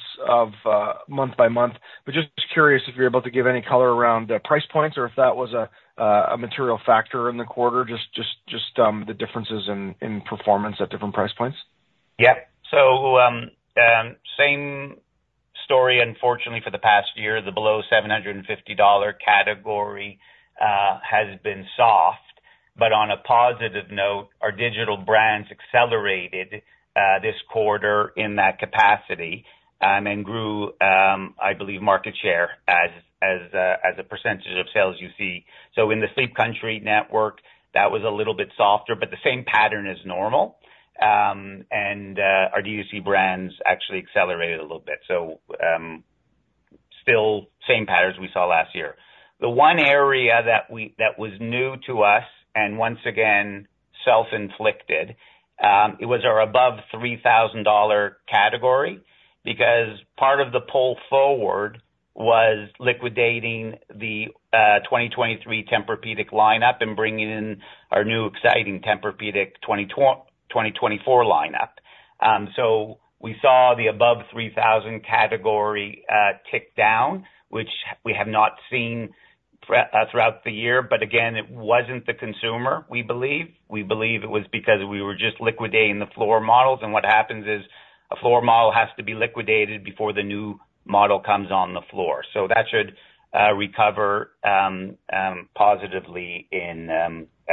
month by month. But just curious if you're able to give any color around price points or if that was a material factor in the quarter, just the differences in performance at different price points? Yep. So same story, unfortunately, for the past year. The below 750 dollar category has been soft. But on a positive note, our digital brands accelerated this quarter in that capacity and then grew, I believe, market share as a percentage of sales you see. So in the Sleep Country network, that was a little bit softer, but the same pattern as normal. And our DTC brands actually accelerated a little bit. So still same patterns we saw last year. The one area that was new to us and once again self-inflicted, it was our above 3,000 dollar category because part of the pull forward was liquidating the 2023 Tempur-Pedic lineup and bringing in our new exciting Tempur-Pedic 2024 lineup. So we saw the above 3,000 category tick down, which we have not seen throughout the year. But again, it wasn't the consumer, we believe. We believe it was because we were just liquidating the floor models. What happens is a floor model has to be liquidated before the new model comes on the floor. That should recover positively in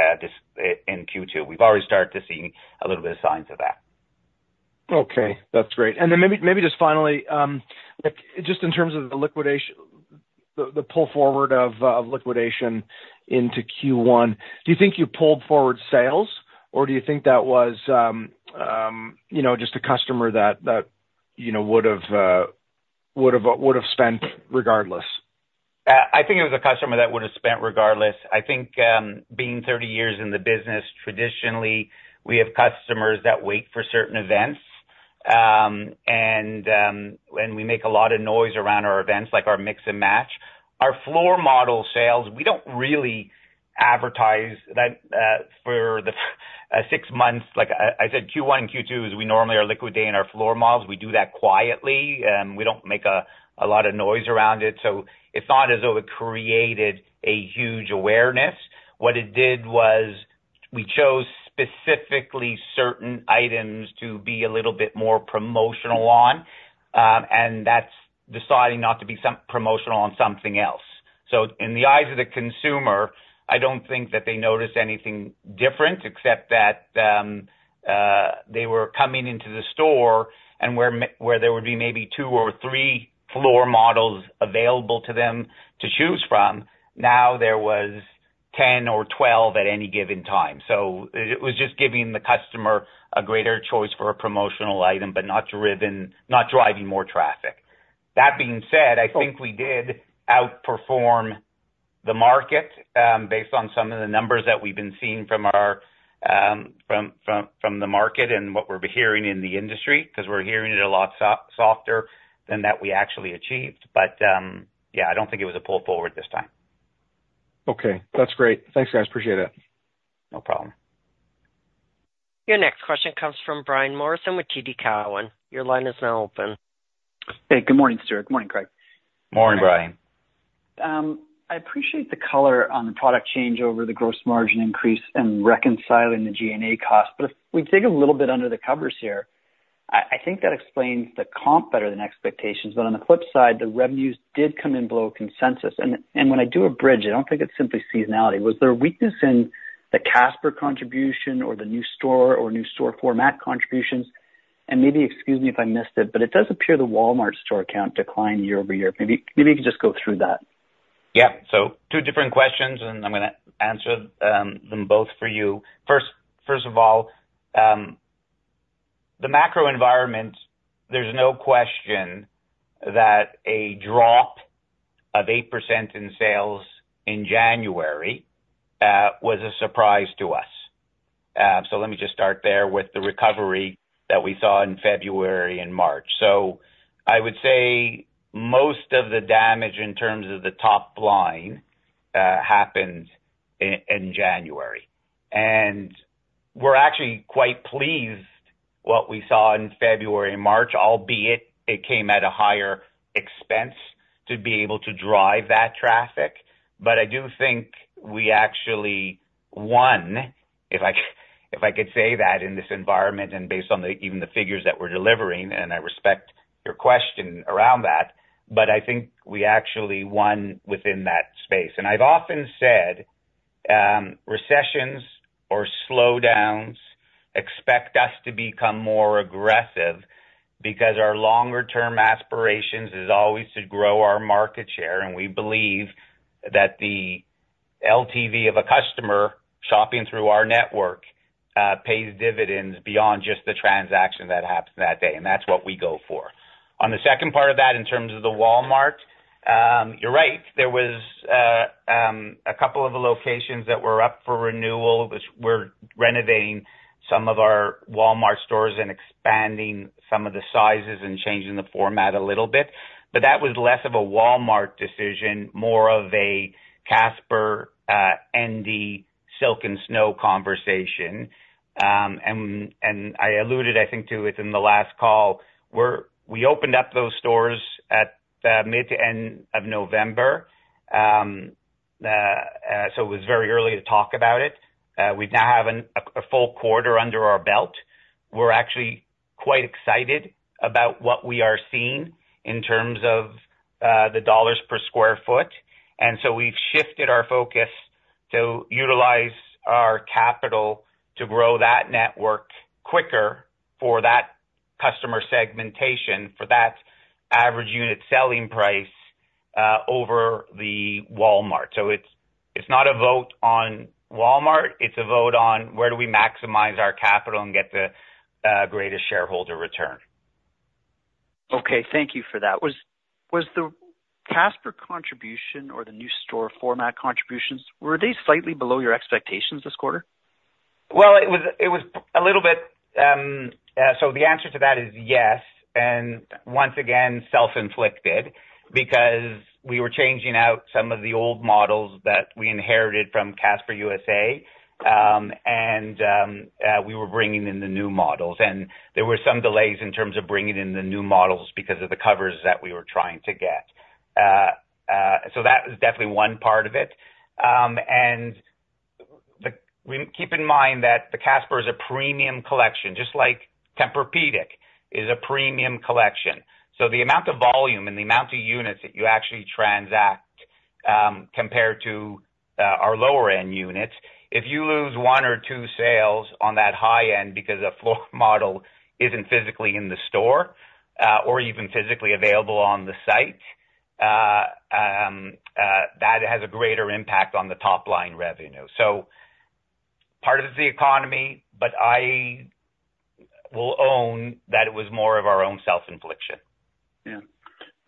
Q2. We've already started to see a little bit of signs of that. Okay. That's great. Then maybe just finally, just in terms of the pull forward of liquidation into Q1, do you think you pulled forward sales, or do you think that was just a customer that would have spent regardless? I think it was a customer that would have spent regardless. I think being 30 years in the business, traditionally, we have customers that wait for certain events, and we make a lot of noise around our events like our mix and match. Our floor model sales, we don't really advertise for the 6 months. I said Q1 and Q2 is we normally are liquidating our floor models. We do that quietly. We don't make a lot of noise around it. So it's not as though it created a huge awareness. What it did was we chose specifically certain items to be a little bit more promotional on, and that's deciding not to be promotional on something else. So in the eyes of the consumer, I don't think that they noticed anything different except that they were coming into the store, and where there would be maybe two or three floor models available to them to choose from, now there was 10 or 12 at any given time. It was just giving the customer a greater choice for a promotional item but not driving more traffic. That being said, I think we did outperform the market based on some of the numbers that we've been seeing from the market and what we're hearing in the industry because we're hearing it a lot softer than that we actually achieved. Yeah, I don't think it was a pull forward this time. Okay. That's great. Thanks, guys. Appreciate it. No problem. Your next question comes from Brian Morrison with TD Cowen. Your line is now open. Hey. Good morning, Stu. Good morning, Craig. Morning, Brian. I appreciate the color on the product change over the gross margin increase and reconciling the SG&A cost. But if we dig a little bit under the covers here, I think that explains the comp better than expectations. But on the flip side, the revenues did come in below consensus. And when I do a bridge, I don't think it's simply seasonality. Was there a weakness in the Casper contribution or the new store or new store format contributions? And maybe excuse me if I missed it, but it does appear the Walmart store account declined year-over-year. Maybe you could just go through that. Yeah. So 2 different questions, and I'm going to answer them both for you. First of all, the macro environment, there's no question that a drop of 8% in sales in January was a surprise to us. So let me just start there with the recovery that we saw in February and March. So I would say most of the damage in terms of the top line happened in January. And we're actually quite pleased what we saw in February and March, albeit it came at a higher expense to be able to drive that traffic. But I do think we actually won, if I could say that, in this environment and based on even the figures that we're delivering. And I respect your question around that. But I think we actually won within that space. I've often said recessions or slowdowns expect us to become more aggressive because our longer-term aspirations is always to grow our market share. We believe that the LTV of a customer shopping through our network pays dividends beyond just the transaction that happens that day. And that's what we go for. On the second part of that, in terms of the Walmart, you're right. There was a couple of the locations that were up for renewal. We're renovating some of our Walmart stores and expanding some of the sizes and changing the format a little bit. But that was less of a Walmart decision, more of a Casper/Endy/Silk & Snow conversation. I alluded, I think, to it in the last call. We opened up those stores at mid to end of November. So it was very early to talk about it. We now have a full quarter under our belt. We're actually quite excited about what we are seeing in terms of the dollars per sq ft. We've shifted our focus to utilize our capital to grow that network quicker for that customer segmentation, for that average unit selling price over the Walmart. It's not a vote on Walmart. It's a vote on where do we maximize our capital and get the greatest shareholder return. Okay. Thank you for that. Was the Casper contribution or the new store format contributions, were they slightly below your expectations this quarter? Well, it was a little bit, so the answer to that is yes. Once again, self-inflicted because we were changing out some of the old models that we inherited from Casper USA, and we were bringing in the new models. There were some delays in terms of bringing in the new models because of the covers that we were trying to get. That was definitely one part of it. Keep in mind that the Casper is a premium collection, just like Tempur-Pedic is a premium collection. The amount of volume and the amount of units that you actually transact compared to our lower-end units, if you lose one or two sales on that high end because a floor model isn't physically in the store or even physically available on the site, that has a greater impact on the top-line revenue. Part of it's the economy, but I will own that it was more of our own self-infliction. Yeah.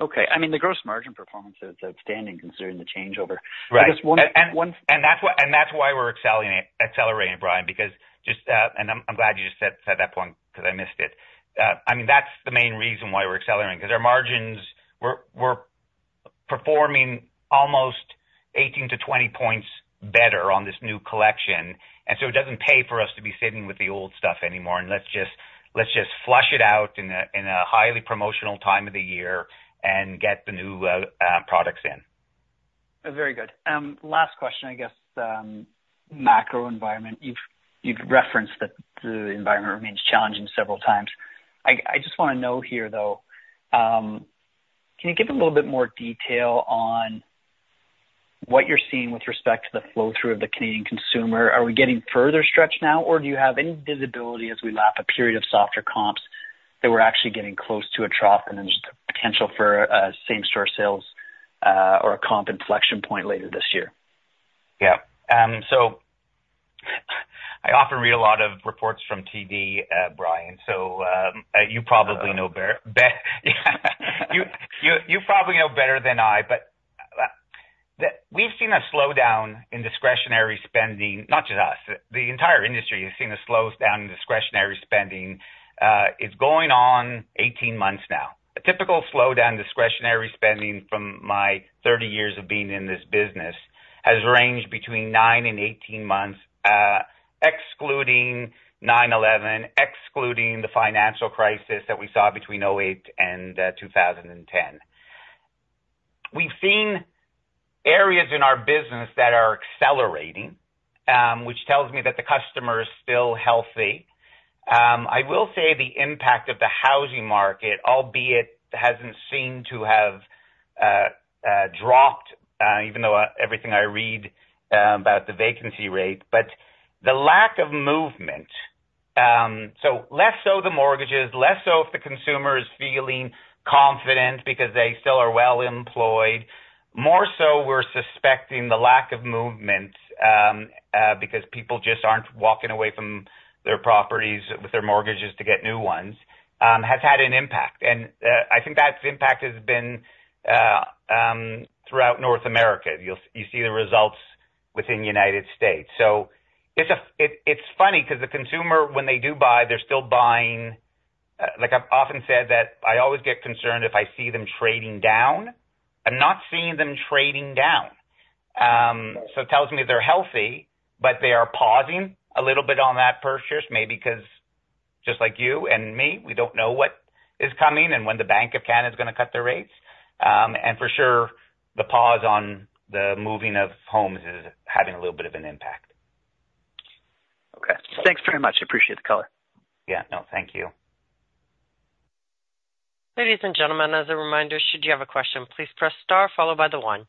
Okay. I mean, the gross margin performance is outstanding considering the changeover. I guess one thing. That's why we're accelerating, Brian, because just, and I'm glad you just said that point because I missed it. I mean, that's the main reason why we're accelerating because our margins, we're performing almost 18-20 points better on this new collection. So it doesn't pay for us to be sitting with the old stuff anymore. Let's just flush it out in a highly promotional time of the year and get the new products in. Very good. Last question, I guess, macro environment. You've referenced that the environment remains challenging several times. I just want to know here, though, can you give a little bit more detail on what you're seeing with respect to the flow-through of the Canadian consumer? Are we getting further stretch now, or do you have any visibility as we lap a period of softer comps that we're actually getting close to a trough and then just the potential for same-store sales or a comp inflection point later this year? Yeah. So I often read a lot of reports from TD, Brian. So you probably know better. Yeah. You probably know better than I. But we've seen a slowdown in discretionary spending, not just us. The entire industry has seen a slowdown in discretionary spending. It's going on 18 months now. A typical slowdown discretionary spending from my 30 years of being in this business has ranged between nine and 18 months, excluding 9/11, excluding the financial crisis that we saw between 2008 and 2010. We've seen areas in our business that are accelerating, which tells me that the customer is still healthy. I will say the impact of the housing market, albeit it hasn't seemed to have dropped, even though everything I read about the vacancy rate. But the lack of movement, so less so the mortgages, less so if the consumer is feeling confident because they still are well-employed. More so, we're suspecting the lack of movement because people just aren't walking away from their properties with their mortgages to get new ones has had an impact. And I think that impact has been throughout North America. You see the results within the United States. So it's funny because the consumer, when they do buy, they're still buying. I've often said that I always get concerned if I see them trading down. I'm not seeing them trading down. So it tells me they're healthy, but they are pausing a little bit on that purchase, maybe because, just like you and me, we don't know what is coming and when the Bank of Canada is going to cut their rates. For sure, the pause on the moving of homes is having a little bit of an impact. Okay. Thanks very much. Appreciate the color. Yeah. No, thank you. Ladies and gentlemen, as a reminder, should you have a question, please press star, followed by the one.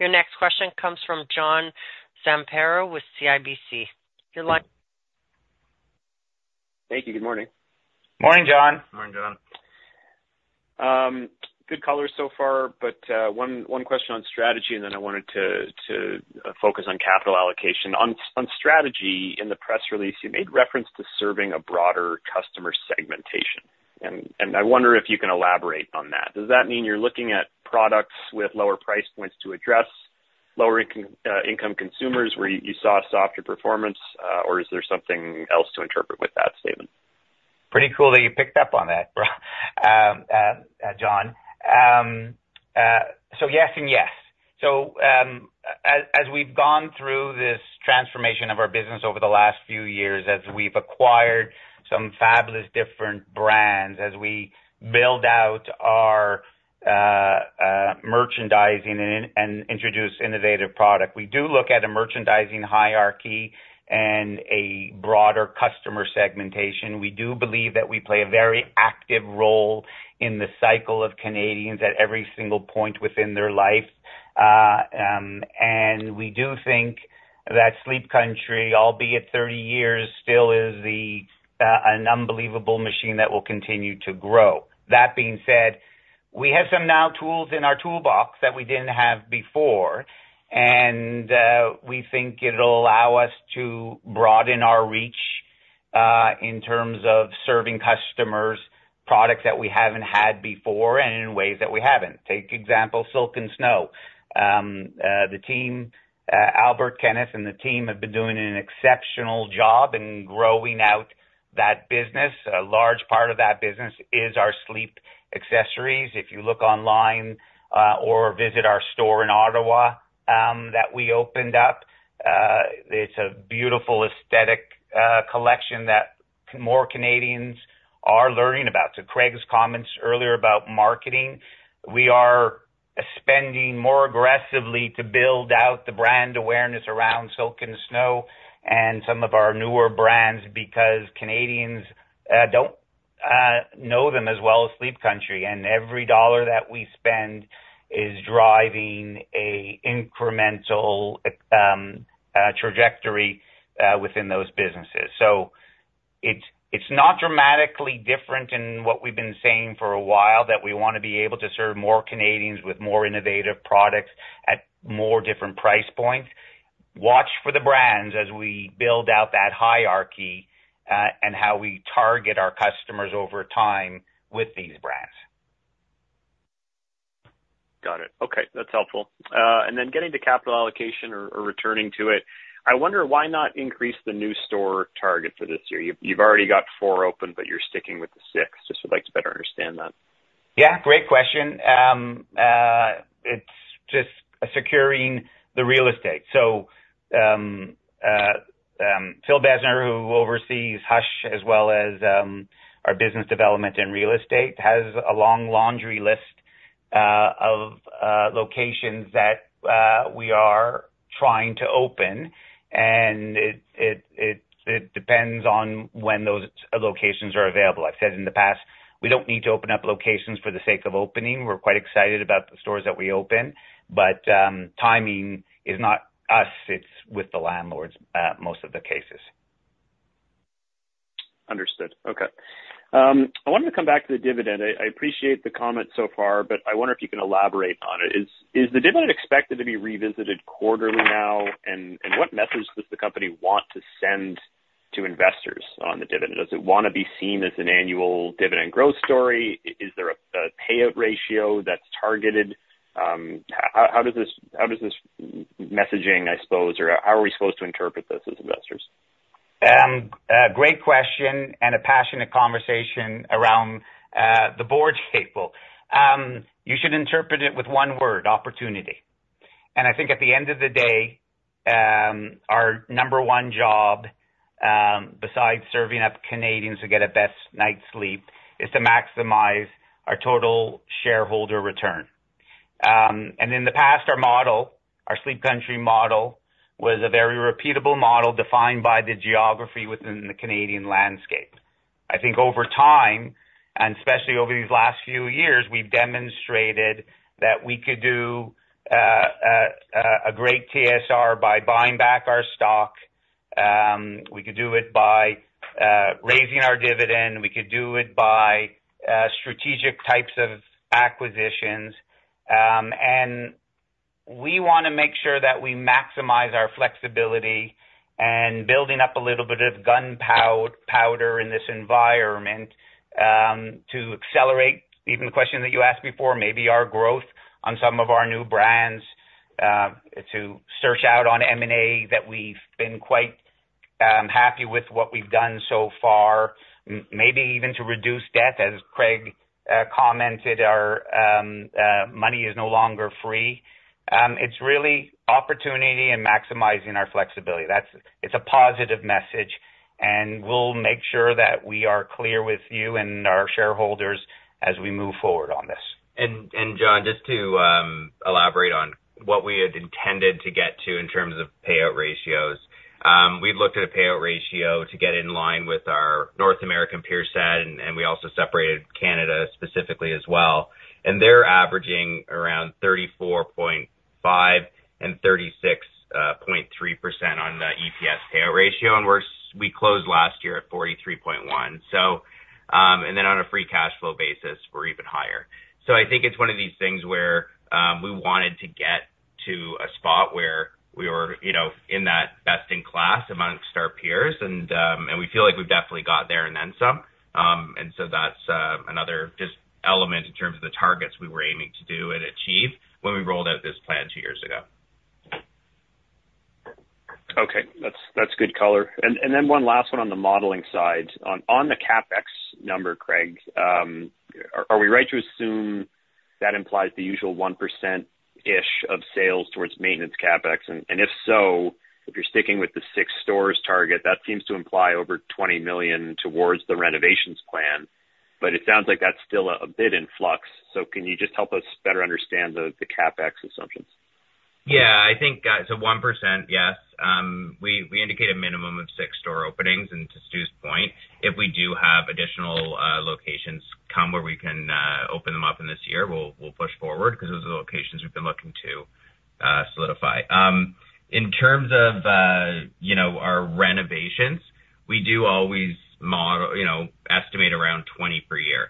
Your next question comes from John Zamparo with CIBC. Your line. Thank you. Good morning. Morning, John. Morning, John. Good color so far. But one question on strategy, and then I wanted to focus on capital allocation. On strategy, in the press release, you made reference to serving a broader customer segmentation. I wonder if you can elaborate on that. Does that mean you're looking at products with lower price points to address lower-income consumers where you saw softer performance, or is there something else to interpret with that statement? Pretty cool that you picked up on that, John. So yes and yes. So as we've gone through this transformation of our business over the last few years, as we've acquired some fabulous different brands, as we build out our merchandising and introduce innovative product, we do look at a merchandising hierarchy and a broader customer segmentation. We do believe that we play a very active role in the cycle of Canadians at every single point within their life. And we do think that Sleep Country, albeit 30 years, still is an unbelievable machine that will continue to grow. That being said, we have some new tools in our toolbox that we didn't have before, and we think it'll allow us to broaden our reach in terms of serving customers products that we haven't had before and in ways that we haven't. For example, Silk & Snow. Albert, Kenneth and the team have been doing an exceptional job in growing out that business. A large part of that business is our sleep accessories. If you look online or visit our store in Ottawa that we opened up, it's a beautiful aesthetic collection that more Canadians are learning about. To Craig's comments earlier about marketing, we are spending more aggressively to build out the brand awareness around Silk & Snow and some of our newer brands because Canadians don't know them as well as Sleep Country. Every dollar that we spend is driving an incremental trajectory within those businesses. It's not dramatically different in what we've been saying for a while that we want to be able to serve more Canadians with more innovative products at more different price points. Watch for the brands as we build out that hierarchy and how we target our customers over time with these brands. Got it. Okay. That's helpful. And then getting to capital allocation or returning to it, I wonder why not increase the new store target for this year? You've already got four open, but you're sticking with the six. Just would like to better understand that. Yeah. Great question. It's just securing the real estate. So Phil Besner, who oversees Hush as well as our business development in real estate, has a long laundry list of locations that we are trying to open. And it depends on when those locations are available. I've said in the past, we don't need to open up locations for the sake of opening. We're quite excited about the stores that we open. But timing is not us. It's with the landlords most of the cases. Understood. Okay. I wanted to come back to the dividend. I appreciate the comment so far, but I wonder if you can elaborate on it. Is the dividend expected to be revisited quarterly now? And what message does the company want to send to investors on the dividend? Does it want to be seen as an annual dividend growth story? Is there a payout ratio that's targeted? How does this messaging, I suppose, or how are we supposed to interpret this as investors? Great question and a passionate conversation around the board table. You should interpret it with one word, opportunity. And I think at the end of the day, our number one job besides serving up Canadians to get a best night's sleep is to maximize our total shareholder return. And in the past, our model, our Sleep Country model, was a very repeatable model defined by the geography within the Canadian landscape. I think over time, and especially over these last few years, we've demonstrated that we could do a great TSR by buying back our stock. We could do it by raising our dividend. We could do it by strategic types of acquisitions. And we want to make sure that we maximize our flexibility and building up a little bit of gunpowder in this environment to accelerate even the question that you asked before, maybe our growth on some of our new brands, to search out on M&A that we've been quite happy with what we've done so far, maybe even to reduce debt. As Craig commented, our money is no longer free. It's really opportunity and maximizing our flexibility. It's a positive message. And we'll make sure that we are clear with you and our shareholders as we move forward on this. And John, just to elaborate on what we had intended to get to in terms of payout ratios, we've looked at a payout ratio to get in line with our North American peer set, and we also separated Canada specifically as well. And they're averaging around 34.5% and 36.3% on the EPS payout ratio. And we closed last year at 43.1%. And then on a free cash flow basis, we're even higher. So I think it's one of these things where we wanted to get to a spot where we were in that best-in-class amongst our peers. And we feel like we've definitely got there and then some. And so that's another just element in terms of the targets we were aiming to do and achieve when we rolled out this plan two years ago. Okay. That's good color. And then one last one on the modeling side. On the CapEx number, Craig, are we right to assume that implies the usual 1%-ish of sales towards maintenance CapEx? And if so, if you're sticking with the 6 stores target, that seems to imply over 20 million towards the renovations plan. But it sounds like that's still a bit in flux. So can you just help us better understand the CapEx assumptions? Yeah. So 1%, yes. We indicate a minimum of 6 store openings. To Stu's point, if we do have additional locations come where we can open them up in this year, we'll push forward because those are the locations we've been looking to solidify. In terms of our renovations, we do always estimate around 20 per year.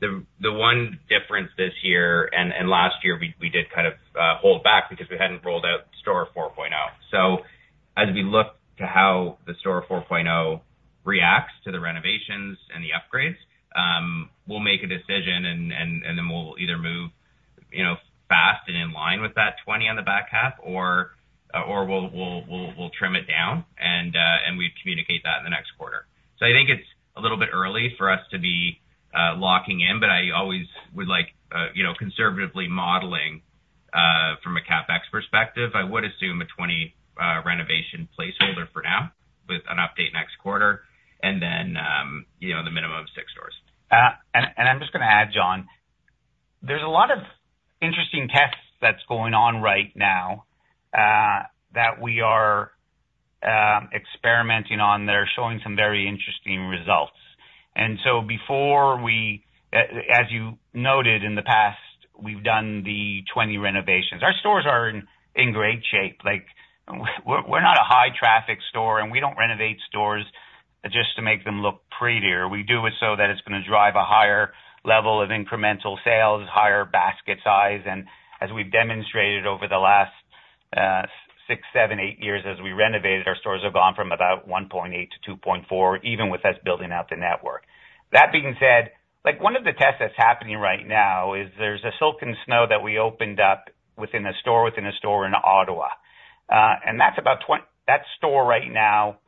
The one difference this year and last year, we did kind of hold back because we hadn't rolled out Store 4.0. So as we look to how the Store 4.0 reacts to the renovations and the upgrades, we'll make a decision, and then we'll either move fast and in line with that 20 on the back half, or we'll trim it down, and we'd communicate that in the next quarter. So I think it's a little bit early for us to be locking in, but I always would like conservatively modeling from a CapEx perspective. I would assume a 20 renovation placeholder for now with an update next quarter and then the minimum of 6 stores. I'm just going to add, John, there's a lot of interesting tests that's going on right now that we are experimenting on that are showing some very interesting results. So before we, as you noted in the past, we've done the 20 renovations. Our stores are in great shape. We're not a high-traffic store, and we don't renovate stores just to make them look prettier. We do it so that it's going to drive a higher level of incremental sales, higher basket size. And as we've demonstrated over the last 6, 7, 8 years, as we renovated, our stores have gone from about 1.8-2.4, even with us building out the network. That being said, one of the tests that's happening right now is there's a Silk & Snow that we opened up within a store within a store in Ottawa. That store right now,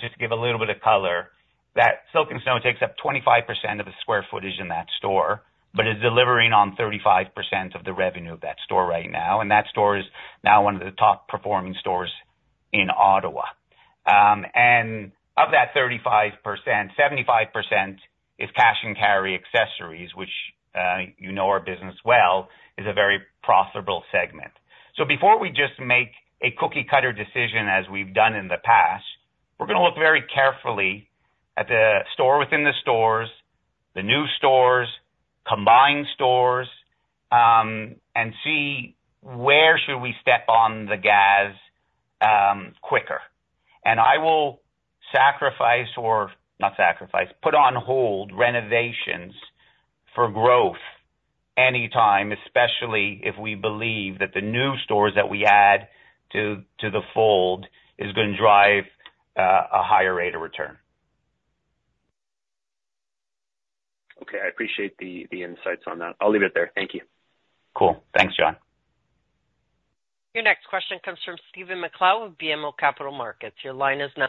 just to give a little bit of color, that Silk & Snow takes up 25% of the square footage in that store but is delivering on 35% of the revenue of that store right now. That store is now one of the top-performing stores in Ottawa. Of that 35%, 75% is cash-and-carry accessories, which you know our business well is a very profitable segment. So before we just make a cookie-cutter decision as we've done in the past, we're going to look very carefully at the store within the stores, the new stores, combined stores, and see where should we step on the gas quicker. I will sacrifice or not sacrifice, put on hold renovations for growth anytime, especially if we believe that the new stores that we add to the fold is going to drive a higher rate of return. Okay. I appreciate the insights on that. I'll leave it there. Thank you. Cool. Thanks, John. Your next question comes from Stephen MacLeod with BMO Capital Markets. Your line is now.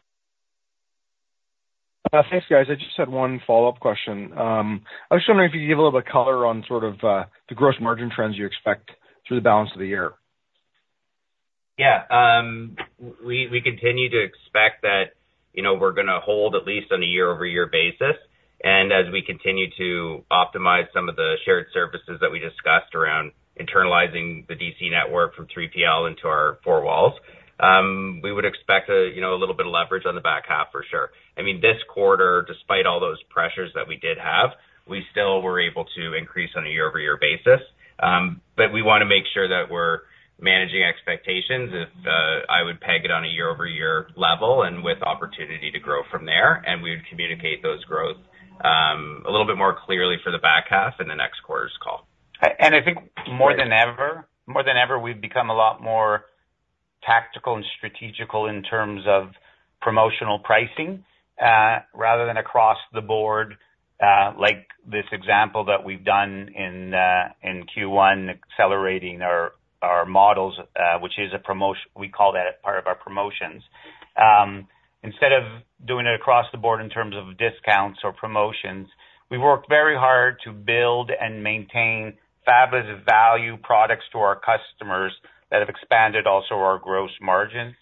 Thanks, guys. I just had one follow-up question. I was just wondering if you could give a little bit of color on sort of the gross margin trends you expect through the balance of the year. Yeah. We continue to expect that we're going to hold at least on a year-over-year basis. And as we continue to optimize some of the shared services that we discussed around internalizing the DC network from 3PL into our four walls, we would expect a little bit of leverage on the back half for sure. I mean, this quarter, despite all those pressures that we did have, we still were able to increase on a year-over-year basis. But we want to make sure that we're managing expectations. I would peg it on a year-over-year level and with opportunity to grow from there. And we would communicate those growths a little bit more clearly for the back half in the next quarter's call. I think more than ever, we've become a lot more tactical and strategical in terms of promotional pricing rather than across the board like this example that we've done in Q1 accelerating our models, which is a promotion we call that part of our promotions. Instead of doing it across the board in terms of discounts or promotions, we've worked very hard to build and maintain fabulous value products to our customers that have expanded also our gross margins.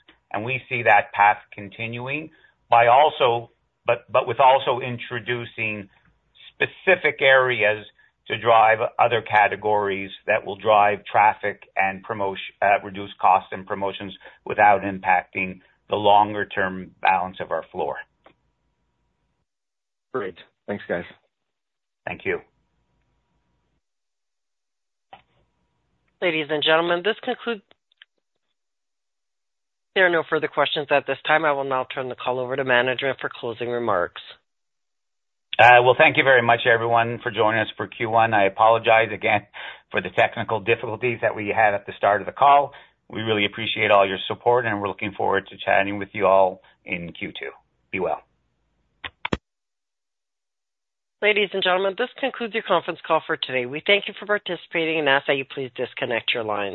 We see that path continuing but with also introducing specific areas to drive other categories that will drive traffic and reduce costs and promotions without impacting the longer-term balance of our floor. Great. Thanks, guys. Thank you. Ladies and gentlemen, there are no further questions at this time. I will now turn the call over to management for closing remarks. Well, thank you very much, everyone, for joining us for Q1. I apologize again for the technical difficulties that we had at the start of the call. We really appreciate all your support, and we're looking forward to chatting with you all in Q2. Be well. Ladies and gentlemen, this concludes your conference call for today. We thank you for participating and ask that you please disconnect your line.